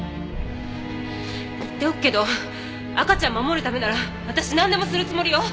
言っておくけど赤ちゃん守るためなら私なんでもするつもりよ。